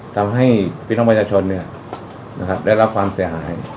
ทำให้พี่น้องประชาชนได้รับความเสียหาย